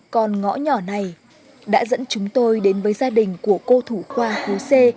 con ngõ nhỏ này đã dẫn chúng tôi đến với gia đình của cô thủ khoa khối c